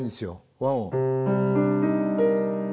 和音。